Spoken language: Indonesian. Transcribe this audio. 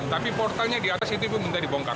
tapi portalnya di atas itu pun minta dibongkar